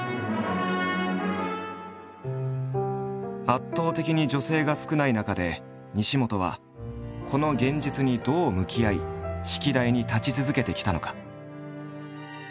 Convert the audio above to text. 圧倒的に女性が少ない中で西本はこの現実にどう向き合い指揮台に立ち続けてきたのか？